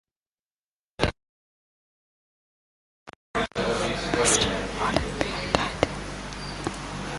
Brandon Curry won his first Mr Olympia title.